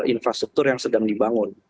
infrastruktur yang sedang dibangun